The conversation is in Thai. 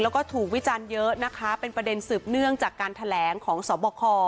แล้วก็ถูกวิจารณ์เยอะนะคะเป็นประเด็นสืบเนื่องจากการแถลงของสบค